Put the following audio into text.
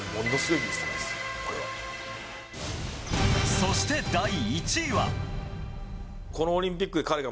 そして第１位は。